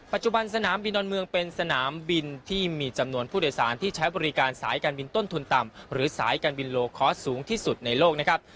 สนามบินดอนเมืองเป็นสนามบินที่มีจำนวนผู้โดยสารที่ใช้บริการสายการบินต้นทุนต่ำหรือสายการบินโลคอร์สสูงที่สุดในโลกนะครับ